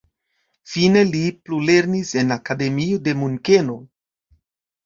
Fine li plulernis en akademio de Munkeno.